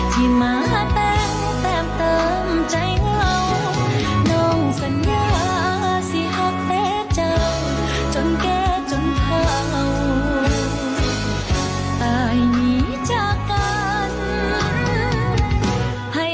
ฮึวเห้ยเห้ย